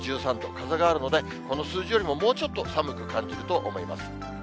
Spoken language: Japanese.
風があるので、この数字よりももうちょっと寒く感じると思います。